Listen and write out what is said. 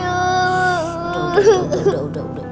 udah udah udah